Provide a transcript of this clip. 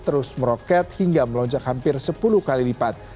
terus meroket hingga melonjak hampir sepuluh kali lipat